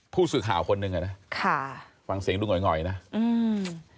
ผู้สื่อข่าวคนนึงน่ะค่ะฟังเสียงดูง่อยง่อยน่ะอืม